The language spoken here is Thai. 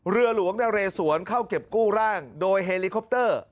เรือหลวงนเรสวนเข้าเก็บกู้ร่างโดยเฮลิคอปเตอร์